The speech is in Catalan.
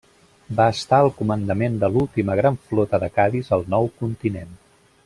Va estar al comandament de l'última gran flota de Cadis al nou continent.